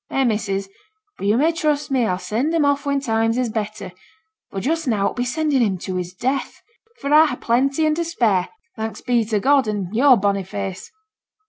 Eh, missus, but yo' may trust me a'll send him off when times is better; but just now it would be sendin' him to his death; for a ha' plenty and to spare, thanks be to God an' yo'r bonny face.'